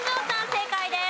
正解です。